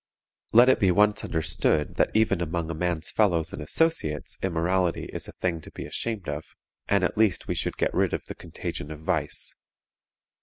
Let it be once understood that even among a man's fellows and associates immorality is a thing to be ashamed of, and at least we should get rid of the contagion of vice.